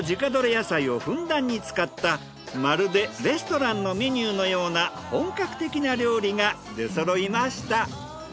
野菜をふんだんに使ったまるでレストランのメニューのような本格的な料理がでそろいました。